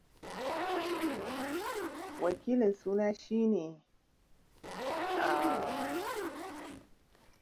The two routes head northeast into Woodstown as the Harding Highway into residential areas.